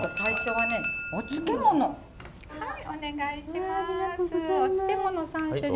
はいお願いします。